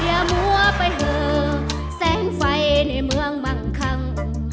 อย่ามัวไปเหอะแสงไฟในเมืองมักขัง